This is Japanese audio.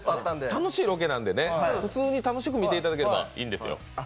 楽しいロケなんでね、普通に楽しく見ていただいていいんですよ。